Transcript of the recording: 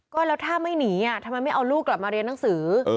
ก็แล้วถ้าไม่หนีทำไมไม่เอาลูกกลับมาเรียนหนังสือ